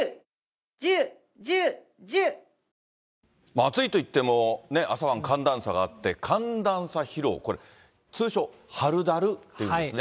暑いといっても、朝晩、寒暖差があって、寒暖差疲労、これ、通称、春だるって言うんですね。